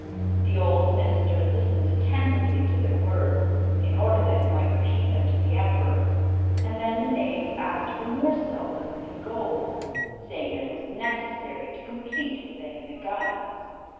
The old minister listened attentively to their words, in order that he might repeat them to the Emperor; and then the knaves asked for more silk and gold, saying that it was necessary to complete what they had begun.